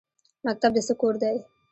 مکتب د څه کور دی؟